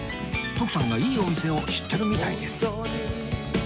徳さんがいいお店を知ってるみたいです